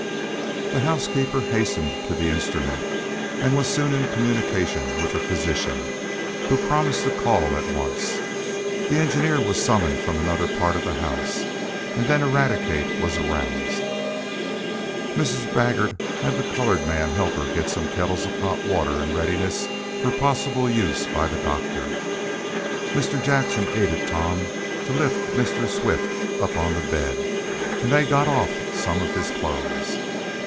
The housekeeper hastened to the instrument, and was soon in communication with the physician, who promised to call at once. The engineer was summoned from another part of the house, and then Eradicate was aroused. Mrs. Baggert had the colored man help her get some kettles of hot water in readiness for possible use by the doctor. Mr. Jackson aided Tom to lift Mr. Swift up on the bed, and they got off some of his clothes.